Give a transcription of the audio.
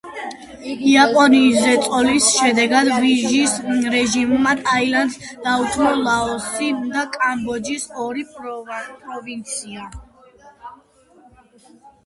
იაპონიის ზეწოლის შედეგად ვიშის რეჟიმმა ტაილანდს დაუთმო ლაოსი და კამბოჯის ორი პროვინცია.